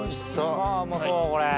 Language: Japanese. わうまそうこれ！